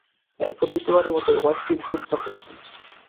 এরপর দ্বিতীয়বারের মতো ওয়েস্ট ইন্ডিজ সফরে যান।